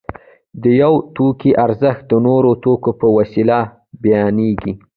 د یو توکي ارزښت د نورو توکو په وسیله بیانېږي